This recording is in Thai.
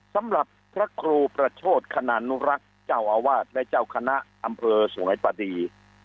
สำหรับพระครูประโชธคณานุรักษ์เจ้าอาวาสและเจ้าคณะอำเภอสวยปดี